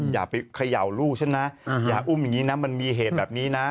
อย่าไปเขย่าลูกฉันนะอย่าอุ้มอย่างนี้นะมันมีเหตุแบบนี้นะ